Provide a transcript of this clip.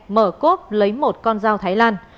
mở cốp lấy một con dao thái lan